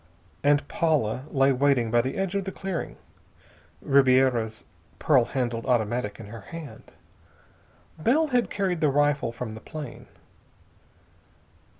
And Paula lay waiting by the edge of the clearing, Ribiera's pearl handled automatic in her hand Bell had carried the rifle from the plane.